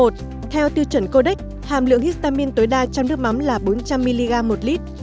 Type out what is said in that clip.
một theo tiêu chuẩn codex hàm lượng histamine tối đa trong nước mắm là bốn trăm linh mg một lít